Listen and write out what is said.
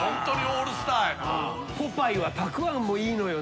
ポパイはたくあんもいいのよね。